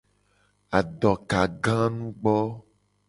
Adokaganugbo.